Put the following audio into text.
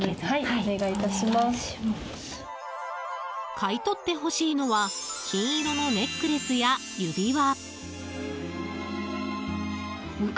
買い取ってほしいのは金色のネックレスや指輪。